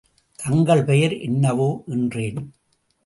தங்கள் பெயர் என்னவோ? என்றேன்.